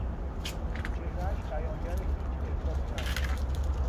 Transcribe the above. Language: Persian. چهرهاش بیانگر هیچ احساسی نبود.